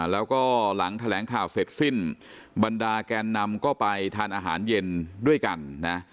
แล้วก็หลังแถลงข่าวเสร็จสิ้นบรรดาแกนนำก็ไปทานอาหารเย็นด้วยกันนะ